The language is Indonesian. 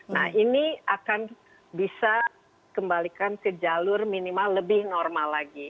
nah ini akan bisa kembalikan ke jalur minimal lebih normal lagi